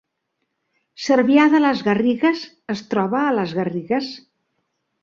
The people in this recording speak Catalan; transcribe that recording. Cervià de les Garrigues es troba a les Garrigues